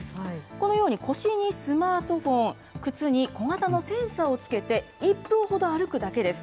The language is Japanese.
このように腰にスマートフォン、靴に小型のセンサーをつけて、１分ほど歩くだけです。